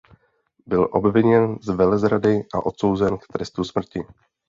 Byl obviněn z velezrady a odsouzen k trestu smrti.